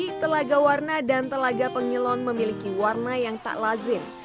di telaga warna dan telaga pengilon memiliki warna yang menarik